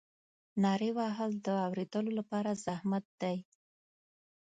نارې وهل د اورېدلو لپاره زحمت دی.